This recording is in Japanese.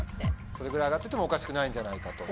それぐらい上がっててもおかしくないんじゃないかと。